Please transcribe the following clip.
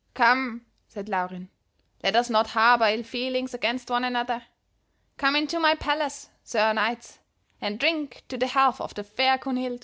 "'Come,' said Laurin, 'let us not harbor ill feelings against one another. Come into my palace, Sir Knights, and drink to the health of the fair Kunhild.'